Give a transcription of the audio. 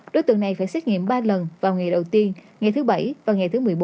đối tượng này phải xét nghiệm ba lần vào ngày đầu tiên ngày thứ bảy và ngày thứ một mươi bốn